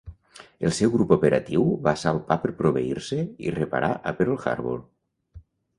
El seu grup operatiu va salpar per proveir-se i reparar a Pearl Harbor.